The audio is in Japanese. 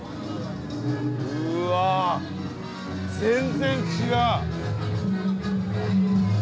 うわ全然違う！